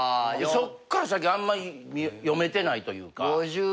そっから先あんまり読めてないというか。